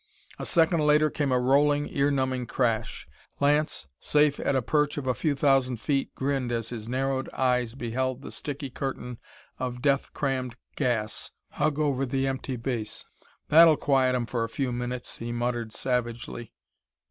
A second later came a rolling, ear numbing crash. Lance, safe at a perch of a few thousand feet, grinned as his narrowed eyes beheld the sticky curtain of death crammed gas hug over the enemy base. "That'll quiet 'em for a few minutes!" he muttered savagely.